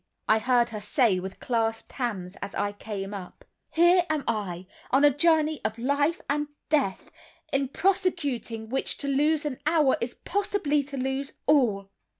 I heard her say, with clasped hands, as I came up. "Here am I, on a journey of life and death, in prosecuting which to lose an hour is possibly to lose all.